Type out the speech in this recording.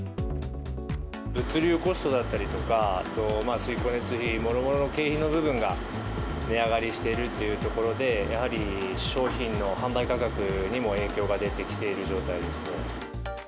物流コストだったりとか、水光熱費、もろもろの経費の部分が値上がりしているというところで、やはり商品の販売価格にも影響が出てきている状態ですね。